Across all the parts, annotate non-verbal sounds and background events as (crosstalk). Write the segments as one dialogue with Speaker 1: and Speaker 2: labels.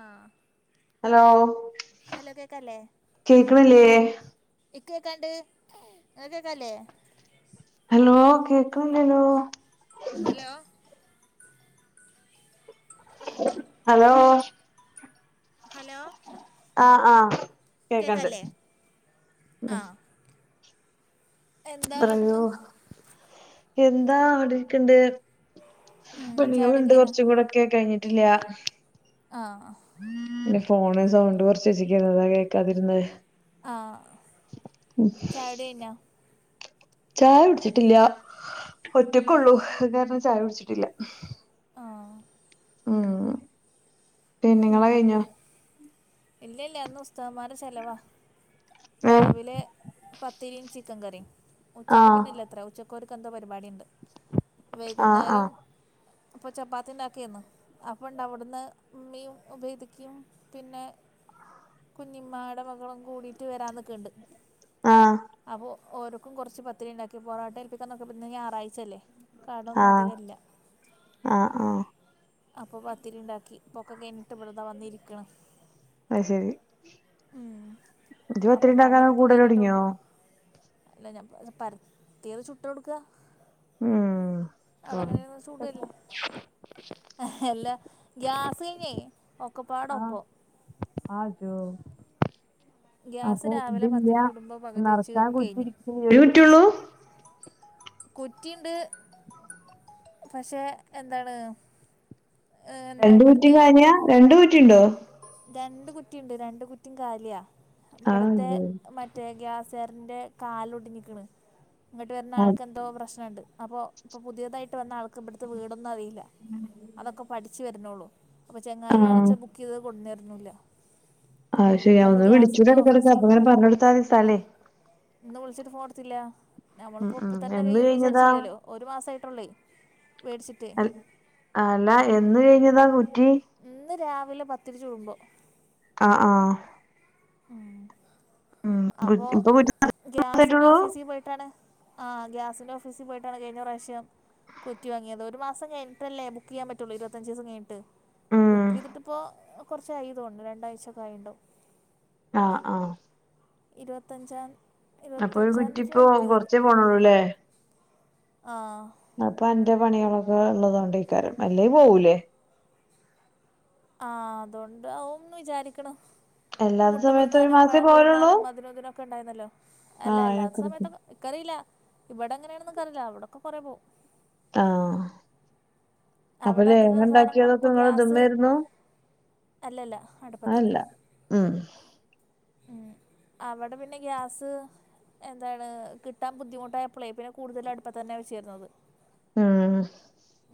Speaker 1: ആഹ്
Speaker 2: hello
Speaker 1: hello കേക്കാല്ലേ
Speaker 2: കേക്കണില്ലേ
Speaker 1: ഇക്ക് കേക്കാണ്ട് ക്ക് കേക്കാല്ലേ
Speaker 2: ഹലോ കേക്കണില്ലല്ലോ
Speaker 1: ഹലോ
Speaker 2: ഹലോ
Speaker 1: ഹലോ
Speaker 2: ആഹ് ആഹ് കേക്കണ്ട്
Speaker 1: കേക്കാല്ലേ
Speaker 2: ഉം
Speaker 1: ആഹ് എന്താ
Speaker 2: പറയൂ
Speaker 1: കാട്ട്ണ്
Speaker 2: എന്താ അവിടെക്കണ്ട്
Speaker 1: ഉം ചായുടിയൊക്കെ
Speaker 2: പണികളുണ്ട്
Speaker 1: കഴിഞ്ഞോ
Speaker 2: കൊറച്ചും കൂടെ ഒക്കെ കഴിഞ്ഞിട്ടില്ലാ
Speaker 1: ആഹ്
Speaker 2: പിന്നെ ഫോണില് സൗണ്ട് കുറച്ച് വച്ചിരിക്കുകയായിരുന്നു അതാ കേൾക്കാതിരുന്നേ
Speaker 1: ആഹ് ചായുടി കയ്ഞ്ഞോ
Speaker 2: ചായ കുടിച്ചിട്ടില്ല ഒറ്റക്കൊള്ളൂ അത് കാരണം ചായ കുടിച്ചിട്ടില്ല
Speaker 1: ആഹ്
Speaker 2: ഉം
Speaker 1: ഉം
Speaker 2: നിങ്ങളത് കഴിഞ്ഞോ
Speaker 1: ഇല്ല ല്ല ഇന്ന് ഉസ്താദുമാരുടെ ചെലവാ
Speaker 2: ഏഹ്
Speaker 1: രാവിലെ പത്തിരീം ചിക്കൻകറിം ഉച്ചയ്ക്ക്
Speaker 2: ആഹ്
Speaker 1: പിന്നെല്ലത്രെ ഉച്ചക്ക് ഓര്ക്ക് ന്തോ പരിപാടിഇണ്ട്
Speaker 2: ആഹ് ആഹ്
Speaker 1: വൈകുന്നേരം അപ്പോ ചപ്പാത്തി ഉണ്ടാക്കിയിരുന്നു അപ്പോ ണ്ട് അവിടുന്ന് ഉമ്മിയും ഉബേദിക്കയും പിന്നെ കുഞ്ഞിമ്മായുടെ മകളും കൂടിയിട്ട് വരാനിക്കണ്ട്
Speaker 2: ആഹ്
Speaker 1: അപ്പോ ഓര്ക്കും കൊറച്ച് പത്തിരി ഇണ്ടാക്കി പൊറോട്ട ഏൽപ്പിക്കാൻ നോക്കിയപ്പോ ഇന്ന് ഞായറാഴ്ചയല്ലേ കടൊന്നും
Speaker 2: ആഹ്
Speaker 1: അധികഇല്ല
Speaker 2: ആഹ് ആഹ്
Speaker 1: അപ്പോ പത്തിരി ഇണ്ടാക്കി ഇപ്പയൊക്കെ കഴിഞ്ഞിട്ട് ഇവിടെ ദ വന്നിരിക്കണു
Speaker 2: അഹ്ശരി (unintelligible)
Speaker 1: അപ്പോൾ
Speaker 2: പത്തിരി ഉണ്ടാക്കാൻ കൂടല്തൊടങ്ങിയോ
Speaker 1: ഇല്ല ഞാൻ പരത്തിയത് ചുട്ടോടുക്കുവാ
Speaker 2: ഉം
Speaker 1: അവിടെ
Speaker 2: കൊറ
Speaker 1: എങ്ങനെയന്ന് ചൂടല്ലേ ആഹ് ല്ലാ ഗ്യാസ് കഴിഞ്ഞേ ഒക്കെപ്പാട ഒപ്പം
Speaker 2: ആ ജോ
Speaker 1: ഗ്യാസ്
Speaker 2: അപ്പോ
Speaker 1: രാവിലെ
Speaker 2: ഇതില്ല
Speaker 1: പത്തിരി ചൂടുമ്പോൾ പകുതി
Speaker 2: നിറക്കാൻ കുറ്റി
Speaker 1: കുറ്റിണ്ട് പക്ഷെ എന്താണ്. എന്താ
Speaker 2: രണ്ടു കുറ്റിം
Speaker 1: ഇവിടുത്തെ
Speaker 2: കാലിയാ രണ്ടു കുറ്റി ഉണ്ടോ
Speaker 1: രണ്ട് കുറ്റിയുണ്ട് രണ്ട് കുറ്റിയും കാലിയാ
Speaker 2: ആഹ്
Speaker 1: ഇവിടത്തെ
Speaker 2: യോ
Speaker 1: മറ്റ മറ്റേ ഗ്യാസ് കാരന്റെ കാല് ഒടിഞ്ഞിക്കണ് ഇങ്ങോട്ട് വരുന്ന ആൾക്ക് എന്തോ പ്രശ്നുണ്ട് അപ്പോൾ ഇപ്പോൾ പുതിയതായിട്ട് വന്ന ആൾക്ക് ഇവിടുത്തെ വീടൊന്നും അറിയില്ല. അതൊക്കെ പഠിച്ചു വരണോള്ളൂ അപ്പോ ചെങ്ങായി ആണ്
Speaker 2: ആഹ്
Speaker 1: വെച്ചാൽ ബുക്ക് ചെയ്തത് കൊണ്ടന്നു തരുന്നുല്ല.
Speaker 2: അത് ശരിയാ ഒന്ന് വിളിച്ചൂടെ ഇടക്കിടക്ക
Speaker 1: ഓഫീസിൽ
Speaker 2: അപ്പോ ഇങ്ങനെ പറഞ്ഞ് കൊടുത്താ മതിയെ സ്ഥലേ.
Speaker 1: ഇന്ന് വിളിച്ചിട്ട് ഫോൺ എടുത്തില്ല.
Speaker 2: ഉം
Speaker 1: നമ്മളിപ്പോ
Speaker 2: ഉം
Speaker 1: ഇപ്പോ തന്നെ
Speaker 2: എന്ന്
Speaker 1: കഴിയ്യൂന്ന്
Speaker 2: കഴിഞ്ഞതാ
Speaker 1: വിചാരിച്ചില്ലല്ലോ ഒരു മാസം ആയിട്ടൊള്ളെ മേടിച്ചിട്ട്.
Speaker 2: അല്ലാ എന്ന് കഴിഞ്ഞതാ കുറ്റി
Speaker 1: ഇന്ന് രാവിലെ പത്തിരി ചുടുമ്പോ
Speaker 2: ആഹ് ആഹ്
Speaker 1: ഉം
Speaker 2: ഉം
Speaker 1: അപ്പോ
Speaker 2: ഇപ്പൊ കുറ്റി
Speaker 1: ഗ്യാസിന്റെ
Speaker 2: മാത്രായിട്ടുള്ളൂ.
Speaker 1: ഓഫീസിൽ പോയിട്ടാണ്. ആഹ് ഗ്യാസിന്റെ ഓഫീസിൽ പോയിട്ടാണ് കഴിഞ്ഞ പ്രാവശ്യം. കുറ്റി വാങ്ങിയത് ഒരു മാസം കിഞ്ഞട്ടല്ലേ ബുക്ക് ചെയ്യാൻ പറ്റുള്ള ഇരുപത്തഞ്ച് ദിവം കഴിഞ്ഞിട്ട്
Speaker 2: ഉം
Speaker 1: ബുക്ക് ചെയ്തിട്ടിപ്പോ കുറച്ചായി എന്ന് തോന്നുന്നു രണ്ടാഴ്ചൊക്കെ ആയിണ്ടോ
Speaker 2: ആഹ് ആഹ്
Speaker 1: ഇരുപത്തഞ്ചാം തീ
Speaker 2: അപ്പോ ഒരു കുറ്റി ഇപ്പോ കൊറച്ചേ പോണള്ളൂല്ലേ.
Speaker 1: ആ
Speaker 2: അപ്പോ എന്റെ പണികളൊക്കെ ഉള്ളത് കൊണ്ട് ഇക്കാര് അല്ലെ പോവൂലേ.
Speaker 1: ആ അതൊണ്ട് ആവുന്ന് വിചാരിക്കണു.
Speaker 2: അല്ലാത്ത
Speaker 1: മുട്ട
Speaker 2: സമയത്ത് ഒരു
Speaker 1: പുഴുങ്ങാനും
Speaker 2: മാസേ
Speaker 1: പഴം
Speaker 2: പോവലുള്ളൂ
Speaker 1: പുഴുങ്ങാനും അതിനും ഇതിനൊക്കെ ഉണ്ടായിരുന്നല്ലോ അല്ല
Speaker 2: ആഹ്
Speaker 1: അല്ലാത്ത
Speaker 2: അയിനൊക്കെ
Speaker 1: സമയത്തൊക്കെ എനിക്കറിയില്ല ഇവിടെ എങ്ങനെയാണെന്ന് അറിയില്ല അവിടൊക്കെ കുറെ പോവും.
Speaker 2: ആഹ് അപ്പൊ
Speaker 1: അവിടെ
Speaker 2: ലേഹ്യം
Speaker 1: അധികം സാധനങ്ങളൊന്നും
Speaker 2: ഉണ്ടാക്കിയതൊക്കെ
Speaker 1: ഇപ്പോ
Speaker 2: നിങ്ങള്
Speaker 1: ഗ്യാസ്
Speaker 2: ഇതുമ്മേരുന്നു
Speaker 1: അല്ലല്ല അടുപ്പത്ത്.
Speaker 2: അല്ല ഉം
Speaker 1: ഉം അവിടെ പിന്നെ ഗ്യാസ് എന്താണ് കിട്ടാൻ ബുദ്ധിമുട്ടായപ്പോളേ പിന്നെ കൂടുതലും അടുപ്പ തന്നെയാണ് വെച്ചിരുന്നത്
Speaker 2: ഉം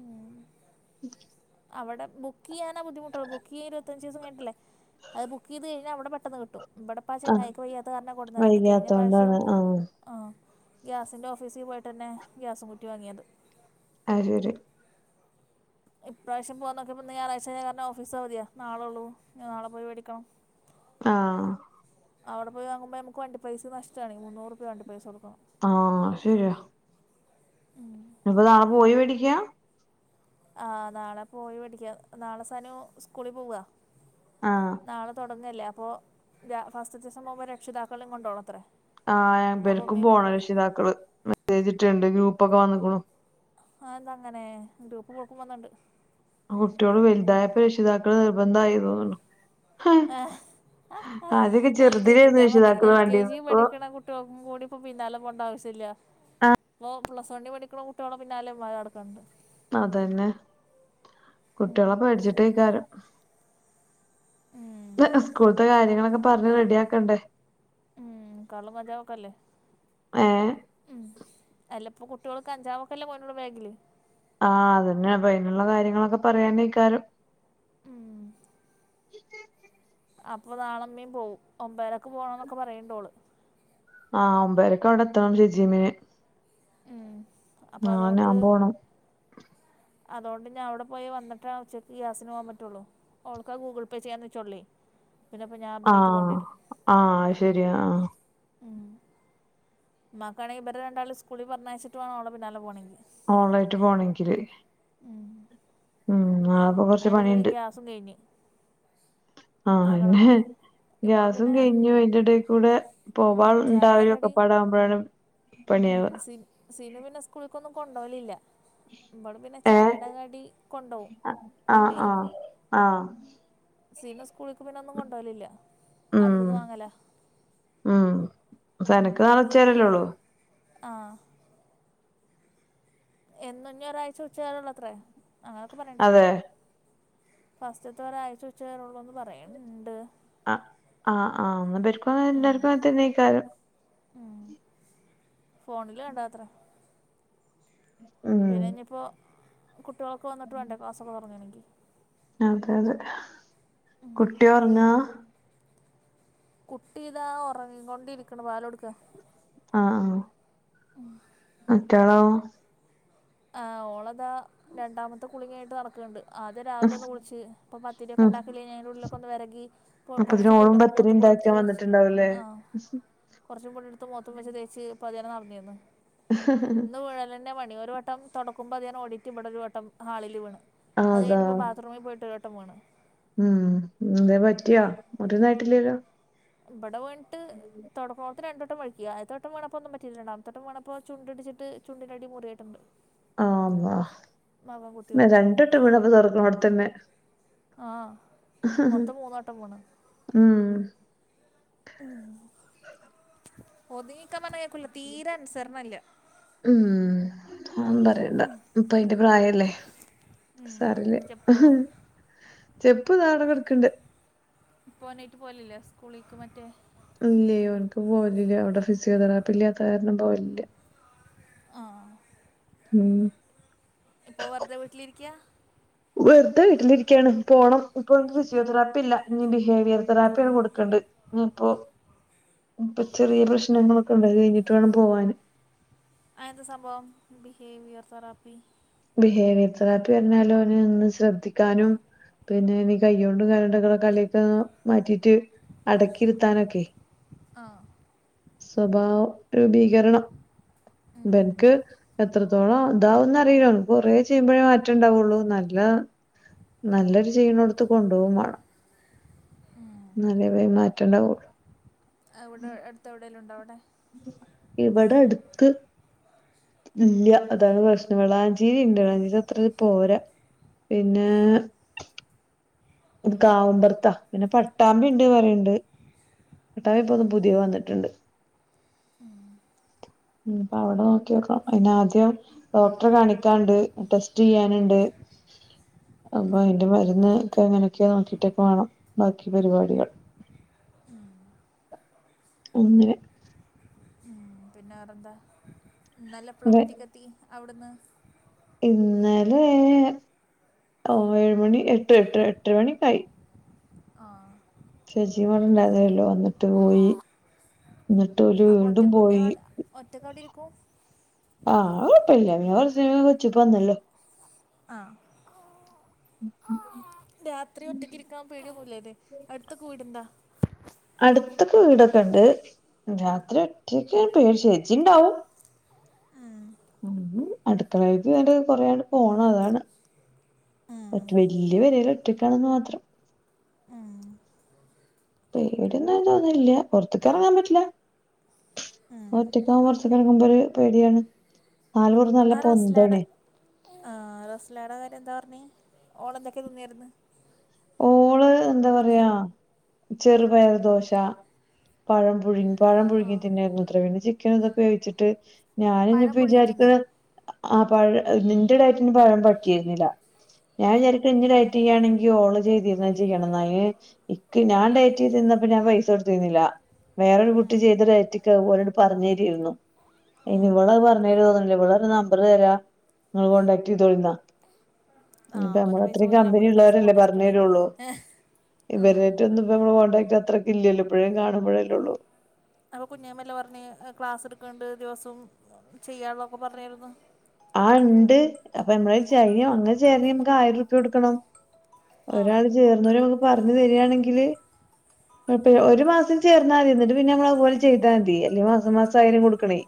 Speaker 1: ഉം
Speaker 2: ഉം
Speaker 1: അവിടെ ബുക്ക് ചെയ്യാനെ ബുദ്ധിമുട്ടുള്ള ബുക്ക് ചെയ്താ ഇരുപത്തഞ്ച് ദിവസം കഴിഞ്ഞിട്ടല്ലേ അത് ബുക്ക് ചെയ്ത് കഴിഞ്ഞാൽ ഇവിടെ പെട്ടെന്ന് കിട്ടും ഇവിടെ ഇപ്പാ
Speaker 2: ആഹ്
Speaker 1: ചങ്ങായിക്ക് വയ്യാത്ത കാരണം കൊടുന്നരാത്ത കഴിഞ്ഞ
Speaker 2: വൈകാത്തോണ്ടാണ്
Speaker 1: പ്രാവശ്യവും
Speaker 2: ആഹ്
Speaker 1: ആ ഗ്യാസിൻ്റെ ഓഫീസിൽ പോയിട്ട് തന്നെ ഗ്യാസും കുറ്റി വാങ്ങിയത്
Speaker 2: (unintelligible)
Speaker 1: ഇപ്രാവശ്യം പോകാന്നോക്കിയപ്പോ (unintelligible) ഓഫീസ് അവതിയാ നാളെള്ളൂ ഇനി നാളെ പോയി മേടിക്കണം
Speaker 2: ആഹ്
Speaker 1: അവിടെ പോയി വാങ്ങുമ്പോ നമുക്ക് വേണ്ടി പൈസ നഷ്ടാണേ മുന്നൂറുപ്യാ വണ്ടി പൈസ കൊടുക്കണം
Speaker 2: ആഹ് ശരിയാ ഇപ്പൊ നാളെ പോയി മേടിക്കാ
Speaker 1: ആ നാളെ പോയി മേടിക്ക നാളെ സശു സ്കൂളി പോവാ
Speaker 2: ആഹ്
Speaker 1: നാളെ തുടങ്ങല്ലേ അപ്പോ ഫസ്റ്റ് ദീസം പോവുമ്പോൾ രക്ഷിതാക്കളേം കൊണ്ടോണം അത്രേ
Speaker 2: ആഹ് ഞാൻ
Speaker 1: അപ്പോൾ
Speaker 2: ഇവർക്കും
Speaker 1: ഉമ്മയും
Speaker 2: പോണം
Speaker 1: പോകുന്നുണ്ട്
Speaker 2: രക്ഷിതാക്കള് മെസ്സേജ് ഇട്ടുണ്ട് ഗ്രൂപ്പൊക്കെ വന്നേക്കണു
Speaker 1: ആ എന്താ അങ്ങനെ ഗ്രൂപ്പ് ഓക്കും വന്നിണ്ട്
Speaker 2: ആ കുട്ടിയോള് വലുതായപ്പോ രക്ഷിതാക്കൾ നിർബന്ധായി തോന്നുണു
Speaker 1: ആ
Speaker 2: ആദ്യൊക്കെ
Speaker 1: എൽ കെ ജി
Speaker 2: ചെറുതിലായിരുന്നു
Speaker 1: ഞാൻ പറഞ്ഞ
Speaker 2: രക്ഷിതാക്കള്
Speaker 1: എൽ കെ ജി
Speaker 2: വേണ്ടിരുന്നത് ഇപ്പൊ
Speaker 1: പഠിക്കണ കുട്ട ട്ടും കൂടിപ്പ പിന്നാലേ പോവണ്ട ആവിശ്യല്ലാ ഓൻ പ്ലസ് വണ്ണി പഠിക്കണ കുട്ടികളേ പിന്നാലേം (unintelligible) നടക്കണിണ്ട്
Speaker 2: അതന്നെ കുട്ട്യാള
Speaker 1: ഉം.
Speaker 2: പേടിച്ചിട്ടേക്കാരം
Speaker 1: ഉം.
Speaker 2: സ്കൂളത്തെ കാര്യങ്ങളൊക്കെ പറഞ് റെഡിയക്കണ്ടേ
Speaker 1: ഉം കള്ളും കഞ്ചാവൊക്കല്ലേ
Speaker 2: ഏഹ്
Speaker 1: ഉം അല്ലപ്പ കുട്ടികൾക്ക് അഞ്ചാമൊക്കെല്ലേ പോനുള്ള ബാഗില്
Speaker 2: ആഹ് അതന്നെയ അപ്പൊ അയ്നുള്ള കാര്യങ്ങളൊക്കെ പറയനേക്കാര്യം
Speaker 1: ഉം അപ്പൊ നാളമ്മീയും പോവും ഒമ്പരൊക്കെ പോണംന്നൊക്കെ പറയണ്ടോളു
Speaker 2: ആഹ് ഒമ്പരക്കെവിടെ എത്തണം ഷജീമിന്
Speaker 1: ഉം അപ്പൊ
Speaker 2: നാളെ ഞാൻ പോണം
Speaker 1: അതോണ്ട് ഞാൻ അവിടെ പോയി വന്നിട്ടേ ഉച്ചക്ക് ഗ്യാസിന് പോകാൻ പറ്റുള്ളൂ ൾക്ക ഗൂഗിൾ പേ ചെയ്യാൻ വച്ചോള്ളേ
Speaker 2: ആഹ് ആഹ് അയ്ശരിയാ ആഹ്
Speaker 1: ഉം മാക്കണെങ്കിൽ ഇവടെ രണ്ടാും സ്കൂളിൽ പറഞ്ഞയച്ചട്ട് ആണോ പിന്നാല പോണെങ്കിൽ
Speaker 2: ഓളയിട്ട് പോണെങ്കില് ഉം ആഹ്
Speaker 1: അയ്ന്റെുള്ളിൽ ഗ്യാസും കഴിഞ്
Speaker 2: ആഹന്നെ
Speaker 1: ഇവള്
Speaker 2: ഗ്യാസും
Speaker 1: പിന്നെ
Speaker 2: കഴിഞ്ഞും അയ്ന്റെടെകൂടെ
Speaker 1: ഉം
Speaker 2: പോവാൾ
Speaker 1: ചായയുടെ
Speaker 2: ഉണ്ടായൊ ഒക്കെ
Speaker 1: കടി
Speaker 2: പാടകുമ്പോഴാണ് പണിയവ
Speaker 1: സീനു പിന്നെ സ്കൂൾക്കൊന്നും കൊണ്ടോലില്ല ഇബൾ പിന്നെ
Speaker 2: ഏ
Speaker 1: ചായട കടി കൊണ്ടോവും
Speaker 2: ആ
Speaker 1: പൊന്നുഎ
Speaker 2: ആ ആ
Speaker 1: സിനു സ്കൂളിക്ക് പിന്നെ ഒന്നും കൊണ്ടോലില്ല
Speaker 2: ഉം
Speaker 1: അവിടന്ന് വാങ്ങല
Speaker 2: ഉം സനക്ക് നാള വച്ചേരല്ലോള്ളൂ
Speaker 1: ആഹ് എന്നും ഞ്ഞ ഒരാഴ്ച ഉച്ചകാരള്ള അത്രേ അങ്ങനൊക്കെ പറയണ്ടട്ടോ
Speaker 2: അതെ
Speaker 1: ഫസ്റ്റത്തെ ഒരാഴ്ച വെച്ചു തരള്ളൂ എന്ന് പറയുണ്ട്
Speaker 2: ആഹ് ആഹ് ആഹ് പ
Speaker 1: ഉം
Speaker 2: എല്ലർക്കും നീക്കാലം
Speaker 1: ഫോണില കണ്ടാത്ര
Speaker 2: ഉം
Speaker 1: പിന്നെ ഇഞ്പ്പോ കുട്ട്യാളൊക്കെ വന്നിട്ട വേണ്ടേ ക്ലസ്സൊക്കെ തുടങ്ങി എനിക്ക്
Speaker 2: അതെ അതെ കുട്ടി ഒറങ്ങാ
Speaker 1: കുട്ടിതാ ഉറങ്ങിക്ക കൊണ്ടിരിക്കണ പാല കൊടുക്ക
Speaker 2: ആഹ് ആഹ് മറ്റാളോ
Speaker 1: ആഹ് ഓളതാ രണ്ടാമത്തെ കുളിക ആയിട്ട് നടക്ക്ണ്ട് ആദ്യം
Speaker 2: ഉം
Speaker 1: രാവിലെ ഒന്ന് വിളിച്ച് ഇപ്പ പത്തിരിയൊക്കെ ഉണ്ടാക്കില്ലേ ഞൻ ഉള്ളിലൊക്കെ ഒന്ന് വെരകി
Speaker 2: അപ്പൊ ഇതിന
Speaker 1: കുറച്ച്
Speaker 2: ഓളും
Speaker 1: പൊടിയൊക്കെ
Speaker 2: പത്തിരി
Speaker 1: മോത്ത്ക്കൂടെ
Speaker 2: ഇണ്ടാക്കാൻ വന്നിട്ടുണ്ടാവല്ലേ
Speaker 1: കുറച്ചും പൊടിയ എടുത്ത് മൂത്തും വെച്ച തേച്ച് പതിയെ നടന്നിന്ന് ഇന്ന് വിഴലന്നെ പണി ഒരു ഒരു വട്ടം തുടക്കുമ്പോ അത് ഞാൻ ഓടിട്ടെ ഇവിടെ ഒരു വട്ടം ഹാളിൽ വീണ്
Speaker 2: ആഹ്
Speaker 1: അത്
Speaker 2: അതാ
Speaker 1: കഴിഞ്ഞിപ്പോ ബാത്റമിൽ പോയിട്ട് ഒരു വട്ടം വീണ്
Speaker 2: ഉം എന്തേലും പറ്റിയാ മുറിവ് ഒന്നും ആയിട്ടില്ലല്ലോ
Speaker 1: ബടവൺ തുടക്കേണത്തെ രണ്ട് വട്ടം വഴക്കി ആദ്യത്തെ വട്ടം വീണപ്പം ഒന്നും പറ്റിയില്ല രണ്ടാമത്തെ വീണപ്പ ചുണ്ട് ഇടിച്ചട്ട് ചുണ്ടിൻ്റെ അടി മുറിഞ്ഞിട്ട് ഉണ്ട്.
Speaker 2: ആമ്മ
Speaker 1: കുത്തി
Speaker 2: പി
Speaker 1: വീണിട്ട്
Speaker 2: രണ്ടട്ട് വീണപ്പ തീറക്കണ അവിടത്തന്നെ
Speaker 1: ആഹ് മൊത്തം മൂന്നോട്ടം പോണ്
Speaker 2: ഉം
Speaker 1: ഉം ഒതുങ്ങിക്കാൻ പറഞ കേക്കല്ല തീരെ അനുസരണല്ല
Speaker 2: ഉം ആഹ് പറ എന്താ ഇപ്പ അയിന്റെ പ്രായല്ലേ
Speaker 1: ഉം
Speaker 2: സാരല്യ
Speaker 1: ചെപ്പോ
Speaker 2: ചെപ്പ് നാടക എടുക്കണ്ട്
Speaker 1: ഇപ്പ ഒെന്നയിട്ട് പോലില്ലേ സ്കൂളേക്ക് മറ്റേ
Speaker 2: ഇല്ലോ അവനക്ക് പോവലില്ല അവിടെ ഫിസിയോതെറാപ്പി ഇല്ലാത്ത കാരണം പോവലില്ല
Speaker 1: ആഹ്
Speaker 2: ഉം.
Speaker 1: ഇപ്പൊ വെറുതെ വീട്ടിലിരിക്ക
Speaker 2: വെറുതെ വീട്ടിലിരിക്കയാണ് പോണം ഇപ്പൊ ഫിസിയോതെറാപ്പി ഇല്ല അഹ് ബിഹേവിയർ തെറാപ്പിയാണ് കൊടുക്കണ്ട് ഇപ്പോ ഇപ്പൊ ചെറിയ പ്രശ്നങ്ങളൊക്കെ ഉണ്ടാ അത് കഴിഞ്ഞിട്ട് വേണം പോവാൻ
Speaker 1: ആയന്ത സംഭവം ബിഹേവിയർ തെറപ്പി
Speaker 2: ബിഹേവിയർത്രാട്ട് പറഞ്ഞാലും അവനെ ഒന്ന് ശ്രദ്ധിക്കാനും പിന്നെ എനി കയ്യ കൊണ്ടും കാലണ്ടക്ക കലിയൊക്കെ മാറ്റിട്ട് അടക്കിരുത്താനൊക്കെ
Speaker 1: ആഹ്
Speaker 2: സ്വഭാവം രൂപീകരണം ബനിക്ക് എത്രത്തോളം ഇതാവന്ന് അറിയല്ല കൊറേ ചെയ്യുമ്പോഴേ മാറ്റേ ഉണ്ടാവുള്ളു നല്ല നല്ലൊരു ചെയീണ എടുത്ത് കൊണ്ടുപോക വേണം നല്ല പേര് മാറ്റേണ്ടാവ
Speaker 1: അവിടെ അടുത്തെ എവിടെേങ്കും ഉണ്ടോ അവിടെ
Speaker 2: ഇവിടെ അടുത്ത് ഇല്ല അതാണ് കഷ്ടകളാഞ്ചേരി ണ്ട് വളാഞ്ചേരി അത്ര പോരാ പിന്നെ ഇത് കാവമ്പറത്താ പിന്നെ പട്ടാമ്പി ഉണ്ട് പറയണ്ട് പട്ടവി ഇപ്പോൊ ഒന്നും പുതിയ വന്നിട്ടുണ്ട് ഉ അപ്പ അവിടെ നോക്കിക്ക അയ്നാദ്യം ഡോക്ടറെ കാണിക്കാുണ്ട് ടെസ്റ്റ് ചെയ്യാനുണ്ട് അപ്പൊ അതിന്റെ മരുന്ന്ൊക്കെ അങ്ങനെയൊക്കെ നോക്കിട്ടക്കെ വേണം ബാക്കി പരിപാടികൾ
Speaker 1: ഉം
Speaker 2: അങ്ങ (unintelligible)
Speaker 1: പിന്നെ വേറെന്താ ന്നലെ
Speaker 2: ഇവിടെ
Speaker 1: എപ്പളാവീട്ടിലക്ക് എത്തി അവിടുന്ന്
Speaker 2: ഇന്നലെ ഏഴുമണി എട്ട് എട്ട് എട്ട് മണിക്കായി
Speaker 1: ആഹ
Speaker 2: ശചിമണ്ടതല്ലോ വന്നിട്ട് പോയി എന്നിട്ട് ഒരു വീണ്ടും പോയി
Speaker 1: ഒറ്റക്കടിൽരിക്കും
Speaker 2: ആഹ് കൊഴപ്പമില്ല അവ സിനിമ കൊച്ചിപ്പ വന്നല്ലോ
Speaker 1: ആഹ്
Speaker 2: ഉം ഉം
Speaker 1: രാത്രി ഒറ്റക്കിരിക്കാൻ പേടിയൊന്നില്ലെതെ അടുത്തക്കെ വീടുണ്ടോ
Speaker 2: അടുത്തൊക്കെ വീടൊക്കെ ഉണ്ട് രാത്രി ഒട്ടയക്കെ പേര് ചേച്ചി ഉണ്ടാവും
Speaker 1: ആ
Speaker 2: ഉ അടുക്കളക്ക് ആണ് കൊറ അങ്ങണ്ട് പോണം അതാണ്
Speaker 1: ഉം
Speaker 2: വൽയ്യ പെരല് ഒറ്റക്കാണെന്ന് മാത്രം
Speaker 1: ആ
Speaker 2: പേടിയൊന്നു തോന്നുന്നില്ല പുറത്തേക്ക് ഇറങ്ങാൻ പറ്റില്ല
Speaker 1: ഉം
Speaker 2: ഒറ്റക്കാവ വർഷ കക്കുമ്പ ഒരു പേടിയാണ് ന
Speaker 1: ആ റസ്ലാഡ ആ റസ്ലാഡ കാര്യം എന്താ പറഞ്ഞ ഓൾ എന്തൊക്കെ തിന്നിരുന്നു
Speaker 2: ഓള് എന്താ പറയാ ചെറുപയർദോശ പഴം പുുഴിങ്ങി പഴം
Speaker 1: ആ
Speaker 2: പുഴങ്ങി തിന്നെയായിരുന്നു അത്ര പിന്നെ ചിക്കൻ ഇതൊക്കെ വേഴിച്ചിട്ട്
Speaker 1: പഴം
Speaker 2: ഞാനിപ്പഇനിപ്പോ
Speaker 1: പുഴുങ്ങി തിന്നേ
Speaker 2: വിചാരിക്കണ ആ പഴ എന്റെടായിട്ട് ഇ പഴം പറ്റിരുന്നില്ല ഞാൻ
Speaker 1: ആ
Speaker 2: വിചരിക്കും ഇ ണെങ്കിൽ ഓ ചെയ്തിരുന്ന ചെയ്യണം ന ഇക്ക് ഞാൻ ഡേറ്റ് ചെയ്തിന്നപ്പോ ഞാൻ പൈസ കൊടുത്തിരുന്നില്ല വേറൊരു കുട്ടി
Speaker 1: ഉം
Speaker 2: ചെയ്തൊരുയറ്റക്ക് പോോലോട്ട് പറഞ്ഞു തരിരുന്നു ഇനി വിളരെ പറഞ്ഞേല് തോന്നില്ലേ വിളരെ നമ്പർ തരാ നിങ്ങൾ കോണ്ടടാക്ട് ചെയ്തോളിുന്നാ
Speaker 1: ആ
Speaker 2: ഇ നമ്മള
Speaker 1: ഓരെ പൈസ
Speaker 2: അത്രയും
Speaker 1: പോയില്ല
Speaker 2: കമ്പനിിയ
Speaker 1: നമ്മുടെയും പൈസ
Speaker 2: ഉള്ളവരല്ലേ പറ
Speaker 1: പോണച്ചിട്ടാണേ
Speaker 2: ള്ളൂ ഇന്റർനെറ്റ് ഒന്നും കോടാക്ട് അത്രക്ക ഇല്ലല്ലോ ഇപ്പോഴേും കാണുമ്പോഴേല്ലേ ഉള്ളൂ
Speaker 1: അപ്പൊ കുഞ്ഞേമ്മല്ല പറഞ്ഞഞ് ക്ലാസ് എടുക്കണ്ട് ദിവസവും ചെയ്യുള്ളൊക്കെ പറഞ്ഞായിരുന്നു
Speaker 2: ആ് ഉണ്ട് അപ്പൊ എമ്മള ചൈ അങ്ങങ് ചേര നമുക്ക് ആയിരം രൂപ്യ കൊടുക്കണംോ
Speaker 1: ആ
Speaker 2: ഒരാള് ചേർന്നോര നമ്മുക്ക് പറഞ്ഞു തരിയാണെങ്കില് ഒരു മാസം ചേർന്നാ മതി എന്നി് പിന്നെ നമ്മള അതുപലെ്താതി അല്ലെേ മാസം മാസം ആയാലും കൊടുക്കണേ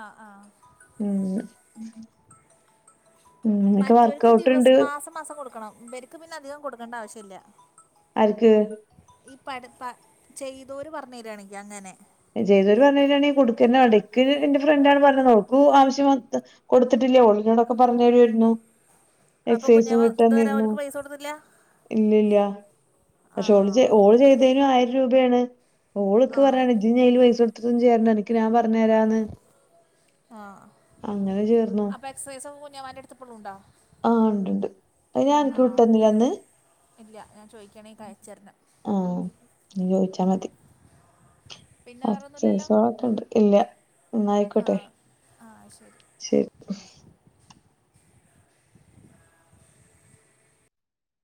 Speaker 1: ആ ആഹ
Speaker 2: ഉം ഉം എനിക്ക്
Speaker 1: മറ്റവർക്ക്
Speaker 2: വർക്കഔട്ട് ഉണ്ട്
Speaker 1: ദിവസം മാസം മാസം കൊടുക്കണം ഇവർക്ക് പിന്നെ അധികം കൊടുക്കേണ്ട ആവശ്യമില്ല
Speaker 2: ആക്ക്
Speaker 1: ഈ പ ചെയ്തവര് പറഞ്ഞു തരിയാണെക്ക് അങ്ങനെ
Speaker 2: ജ്ദൂര് പറഞ്ഞ കഴഞ്ഞാണെങ്ക കൊടുക്കന്നണ്ടക്ക് എന്റെ ഫ്രണ്ട്ാണ്ണ് പറഞ്ഞത് നർക്കും ആവശ്യം കൊടുത്തിട്ടില്ലേ ഉള്ളിനോടൊക്കെ പറഞ്ഞ തരുമായിരുന്നു
Speaker 1: അപ്പോൾ
Speaker 2: എക്സസൈസും
Speaker 1: കുഞ്ഞമ്മ ഇതുവരെ
Speaker 2: വിട്ടന്നന്നു
Speaker 1: അവർക്ക് പൈസ കൊടുത്തില്ല
Speaker 2: ഇല്ലല്ല പക്ഷെ ഓള്
Speaker 1: ആ
Speaker 2: ഓള് ചെയ്തതിനും ആയിരം രൂപയാണ് ഓളൊക്കെ
Speaker 1: ആഹ്
Speaker 2: പറയാണ് ഇജി ൽ പൈസ കൊടുത്തതും ചെയ്യരണ്ട എനി ഞാ പറഞ്ഞഞ്രാന്ന്
Speaker 1: ആഹ
Speaker 2: അങ്ങനെ ചേർന്നോ
Speaker 1: അപ്പ എക്സ ഒൻന്റെ എടുപ്പൊുംുണ്ടോ
Speaker 2: ആഹ് ഉണ്ട് ഉണ്ട് അ ഞ എക്ക് വിട്ടന്നില്ലന്ന്
Speaker 1: ഇല്ല ഞാൻ ചോദിക്കുകയാണെങ്കിൽ കഴിച്ചിര
Speaker 2: ആഹ ചോദിച്ചാൽ മതി
Speaker 1: പിന്നെ വേറൊന്നുല്ലല്ലോ
Speaker 2: (unintelligible) ഇല്ല എന്നായിക്കോട്ടെ
Speaker 1: ആഹ് ആഹ് ശരി
Speaker 2: ശരി (inaudible)